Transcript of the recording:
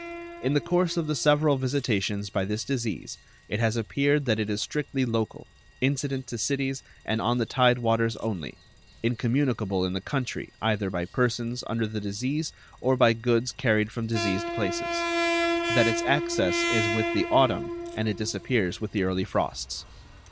In the course of the several visitations by this disease it has appeared that it is strictly local, incident to cities and on the tide waters only, incommunicable in the country either by persons under the disease or by goods carried from diseased places; that its access is with the autumn and it disappears with the early frosts.